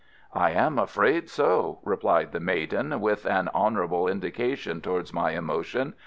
"I am afraid so," replied the maiden, with an honourable indication towards my emotion.